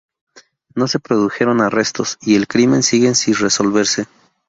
No se produjeron arrestos, y el crimen sigue sin resolverse.